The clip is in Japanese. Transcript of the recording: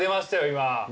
今。